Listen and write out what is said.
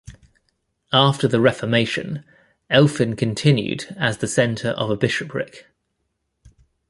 After the Reformation Elphin continued as the centre of a bishopric.